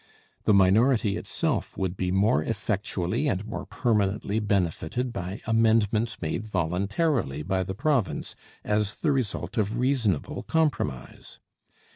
The minority itself would be more effectually and more permanently benefited by amendments made voluntarily by the province as the result of reasonable compromise.